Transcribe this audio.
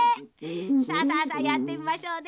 さあさあさあやってみましょうね。